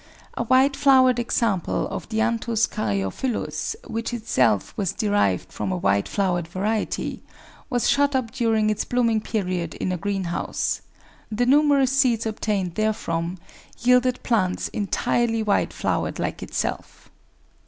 A white flowered example of Dianthus caryophyllus, which itself was derived from a white flowered variety, was shut up during its blooming period in a greenhouse; the numerous seeds obtained therefrom yielded plants entirely white flowered like itself.